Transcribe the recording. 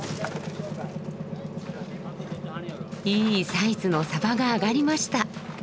いいサイズのサバが揚がりました。